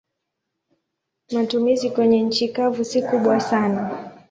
Matumizi kwenye nchi kavu si kubwa sana.